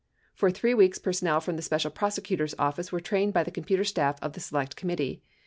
For 3 weeks, personnel from the Special Prosecutor's Office were trained by the computer staff of the Select Committee.